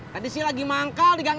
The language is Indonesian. tadi sih lagi manggal di gang enam